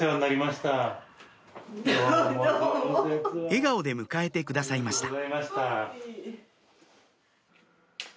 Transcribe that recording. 笑顔で迎えてくださいました